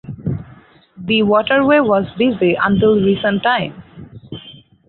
The waterway was busy until recent times.